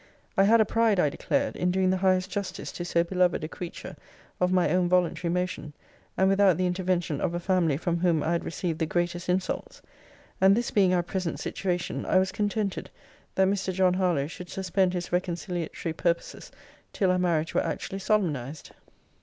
I had a pride, I declared, in doing the highest justice to so beloved a creature, of my own voluntary motion, and without the intervention of a family from whom I had received the greatest insults. And this being our present situation, I was contented that Mr. John Harlowe should suspend his reconciliatory purposes till our marriage were actually solemnized.'